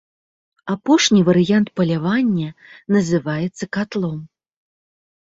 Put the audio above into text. Апошні варыянт палявання называецца катлом.